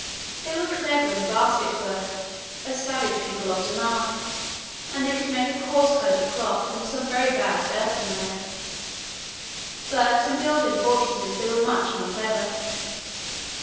They were clever in basket work, as savage people often are; and they could make a coarse kind of cloth, and some very bad earthenware. But in building fortresses they were much more clever.